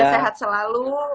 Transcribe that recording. semoga sehat selalu